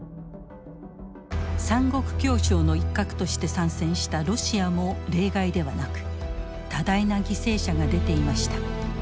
三国協商の一角として参戦したロシアも例外ではなく多大な犠牲者が出ていました。